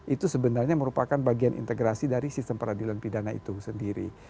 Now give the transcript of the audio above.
itu sebenarnya merupakan bagian integrasi dari sistem peradilan pidana itu sendiri